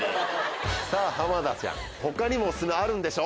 さぁ田ちゃん他にもオススメあるんでしょ？